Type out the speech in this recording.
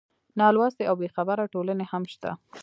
نالوستې او بېخبره ټولنې هم شته.